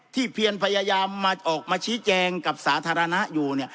ที่เพียนพยายามมาออกมาชี้แจงกับสาธารณะอยู่เนี่ย